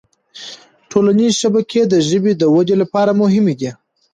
ټولنیزې شبکې د ژبې د ودې لپاره مهمي دي